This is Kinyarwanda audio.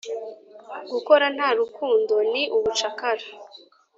gukora nta rukundo ni ubucakara.